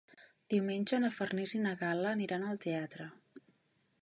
Diumenge na Farners i na Gal·la aniran al teatre.